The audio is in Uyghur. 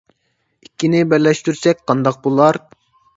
ئىككىنى بىرلەشتۈرسەك قانداق بولار؟